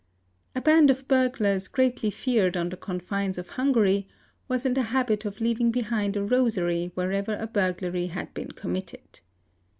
A band of burglars greatly feared on the con fines of Hungary was in the habit of leaving behind a rosary wherever a burglary had been committed.